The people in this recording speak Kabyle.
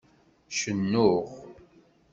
Cennuɣ.